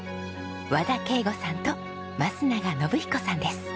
和田敬吾さんと増永信彦さんです。